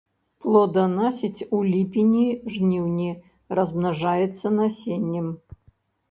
Плоданасіць у ліпені-жніўні, размнажаецца насеннем.